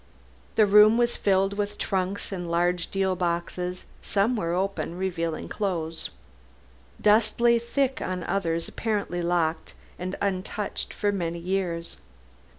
The room was filled with trunks and large deal boxes, and some were open, revealing clothes. Dust lay thick on others apparently locked, and untouched for many years.